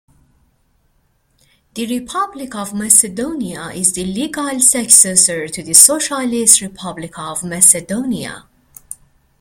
The Republic of Macedonia is the legal successor to the Socialist Republic of Macedonia.